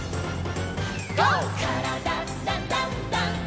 「からだダンダンダン」